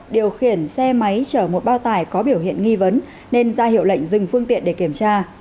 điều khiển xe máy chở một bao tải có biểu hiện nghi vấn nên ra hiệu lệnh dừng phương tiện để kiểm tra